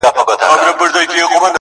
• قاضي ډېر قهر نیولی دئ سړي ته,